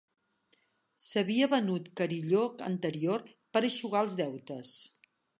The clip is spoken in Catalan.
S'havia venut carilló anterior per eixugar els deutes.